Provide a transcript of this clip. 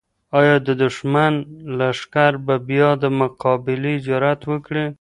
آیا د دښمن لښکر به بیا د مقابلې جرات وکړي؟